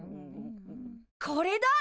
これだ！